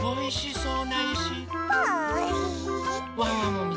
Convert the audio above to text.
そう！